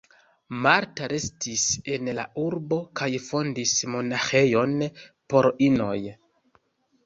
Marta restis en la urbo kaj fondis monaĥejon por inoj.